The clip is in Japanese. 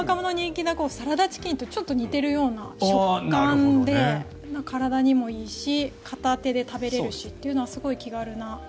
最近、若者に人気なサラダチキンとちょっと似ているような食感で体にもいいし片手で食べれるのはすごい気軽な。